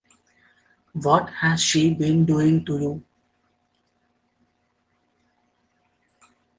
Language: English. What has she been doing to you?